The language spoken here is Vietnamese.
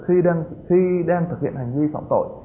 khi đang thực hiện hành vi phỏng tội